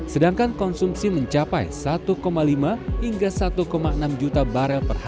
sedangkan konsumsi mencapai satu lima hingga satu enam juta barel